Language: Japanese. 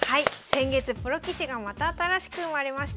先月プロ棋士がまた新しく生まれました。